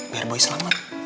biar boy selamat